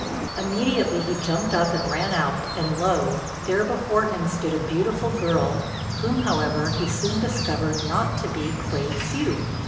Immediately he jumped up and ran out, and lo! there before him stood a beautiful girl, whom, however he soon discovered not to be Kuei hsiu.